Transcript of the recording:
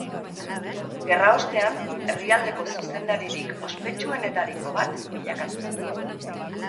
Gerra ostean, herrialdeko zuzendaririk ospetsuenetariko bat bilakatu zen.